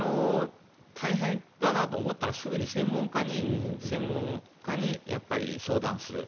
大変だなと思ったらすぐに専門家に相談する。